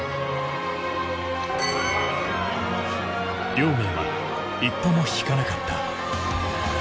亮明は一歩もひかなかった。